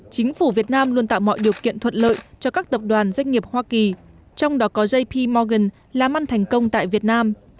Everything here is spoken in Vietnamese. chính phủ việt nam luôn tạo mọi điều kiện thuận lợi cho các tập đoàn doanh nghiệp hoa kỳ trong đó có jp morgan làm ăn thành công tại việt nam